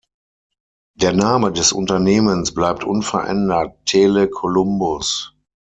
Der Name des Unternehmens bleibt unverändert Tele Columbus.